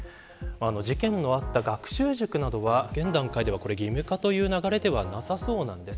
事件のあった学習塾などは現段階では義務化という流れではなさそうなんです。